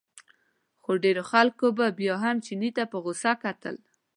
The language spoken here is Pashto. خو ډېرو خلکو بیا هم چیني ته په غوسه کتل.